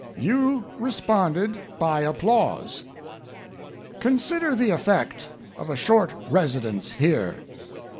You responded by applause. Consider the effect of a short residence here.